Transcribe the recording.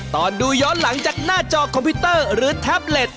ตอนดูย้อนหลังจากหน้าจอคอมพิวเตอร์หรือแท็บเล็ต